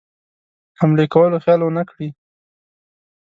حملې کولو خیال ونه کړي.